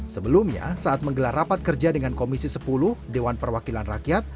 sebelumnya saat menggelar rapat kerja dengan komisi sepuluh dewan perwakilan rakyat